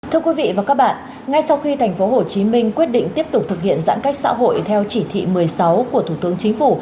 thưa quý vị và các bạn ngay sau khi tp hcm quyết định tiếp tục thực hiện giãn cách xã hội theo chỉ thị một mươi sáu của thủ tướng chính phủ